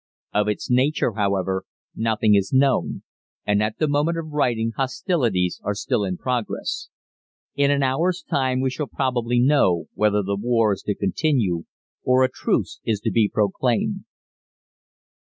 Of its nature, however, nothing is known, and at the moment of writing hostilities are still in progress. "In an hour's time we shall probably know whether the war is to continue, or a truce is to be proclaimed."